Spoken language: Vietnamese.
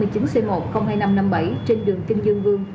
trên đường kinh dương vương